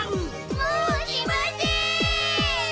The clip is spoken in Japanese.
もうしません！